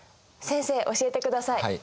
先生教えてください。